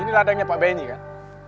ini ladangnya pak benny kan